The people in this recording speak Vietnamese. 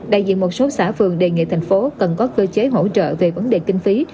đại diện một số xã phường đề nghị thành phố cần có cơ chế hỗ trợ về vấn đề kinh phí